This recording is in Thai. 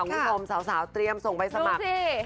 คุณแลนด์หลวงสาวทรียมส่งให้สมัครจริง